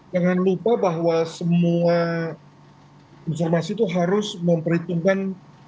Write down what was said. jangan lupa bahwa semua informasi itu harus memperhitungkan